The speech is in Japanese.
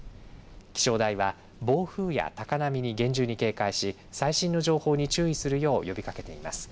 気象台は暴風や高波に厳重に警戒し最新の情報に注意するよう呼びかけています。